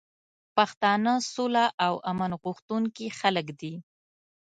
پښتانه سوله او امن غوښتونکي خلک دي.